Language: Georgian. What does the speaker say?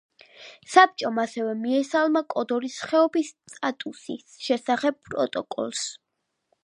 საბჭომ, ასევე მიესალმა კოდორის ხეობის სტატუსის შესახებ პროტოკოლს.